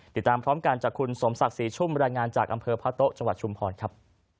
ติดตามพร้อมกันจากคุณสมศักดิ์ศรีชุ่มรายงานจากอำเภอพระโต๊ะจังหวัดชุมพรครับ